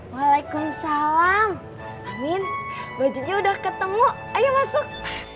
waalaikumsalam amin bajunya udah ketemu ayo masuk